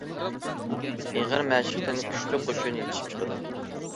ئېغىر مەشىقتىن كۈچلۈك قوشۇن يېتىشىپ چىقىدۇ.